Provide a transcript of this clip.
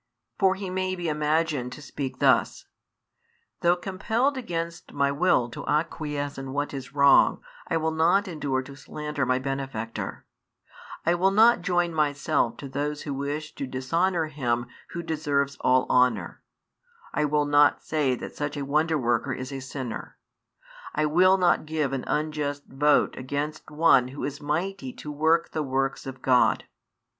For he may be imagined to speak thus. Though compelled against my will to acquiesce in what is wrong, I will not endure to slander my Benefactor: I will not join myself to those who wish to dishonour Him Who deserves all honour: I will not say that such a Wonderworker is a sinner: I will not give an unjust vote against One Who is mighty to work the works of God.